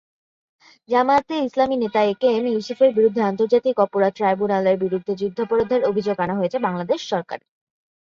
জামায়াতে ইসলামী নেতা একেএম ইউসুফের বিরুদ্ধে আন্তর্জাতিক অপরাধ ট্রাইব্যুনালের বিরুদ্ধে যুদ্ধাপরাধের অভিযোগ আনা হয়েছে বাংলাদেশ সরকার।